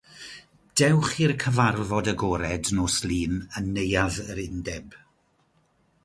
Dewch i'r Cyfarfod Agored nos Lun yn Neuadd yr Undeb.